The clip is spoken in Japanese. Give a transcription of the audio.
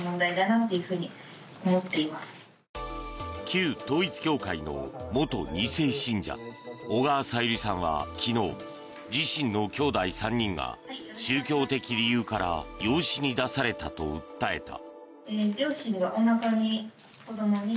旧統一教会の元２世信者小川さゆりさんは昨日自身のきょうだい３人が宗教的理由から養子に出されたと訴えた。